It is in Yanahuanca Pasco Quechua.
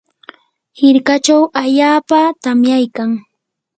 hirkachaw allaapa tamyaykan.